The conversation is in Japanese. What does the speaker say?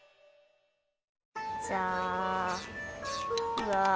うわ。